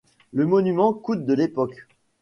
Le monument coûte de l'époque.